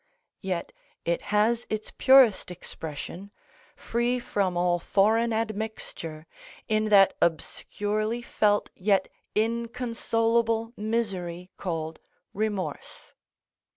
Yet it has its purest expression, free from all foreign admixture, in that obscurely felt yet inconsolable misery called remorse.